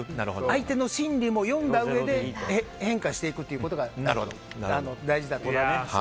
相手の心理も読んだうえで変化していくということが大事だと思います。